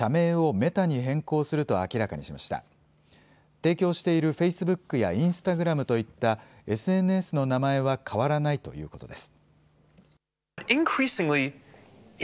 提供しているフェイスブックやインスタグラムといったＳＮＳの名前は変わらないということです。